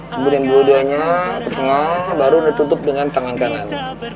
kemudian dua duanya ke tengah baru ditutup dengan tangan ganas